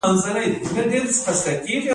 بالابلوک لاره ولې خطرناکه ده؟